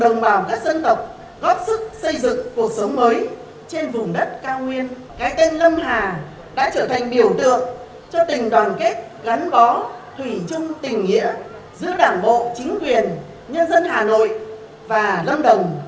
nhân dân hà nội và lâm đồng